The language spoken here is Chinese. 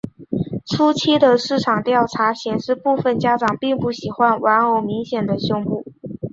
初期的市场调查显示部份家长并不喜欢玩偶明显的胸部。